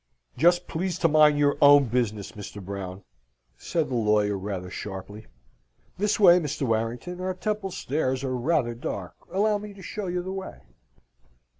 "Just please to mind your own business, Mr. Brown," said the lawyer, rather sharply. "This way, Mr. Warrington. Our Temple stairs are rather dark. Allow me to show you the way."